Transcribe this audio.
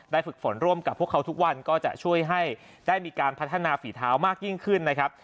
ฝึกฝนร่วมกับพวกเขาทุกวันก็จะช่วยให้ได้มีการพัฒนาฝีเท้ามากยิ่งขึ้นนะครับ